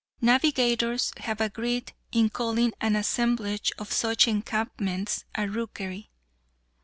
Navigators have agreed in calling an assemblage of such encampments a rookery.